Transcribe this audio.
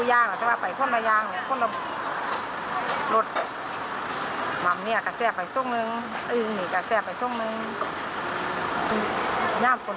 ย่ามส่วนตัวคนก็เอามาได้มันก็ไม่เห็น